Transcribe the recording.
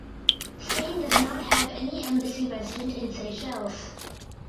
Spain does not have an embassy resident in Seychelles.